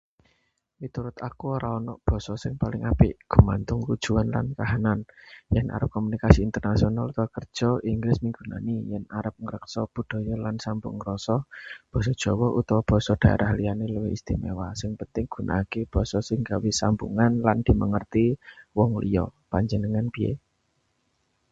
Miturut aku, ora ana basa sing paling apik. Gumantung tujuan lan kahanan. Yen arep komunikasi internasional utawa kerja, Inggris migunani; yen arep ngreksa budaya lan sambung rasa, basa Jawa utawa basa daerah liyané luwih istimewa. Sing penting, gunakake basa sing nggawe sambungan lan dimangerteni wong liya. Panjenengan piye?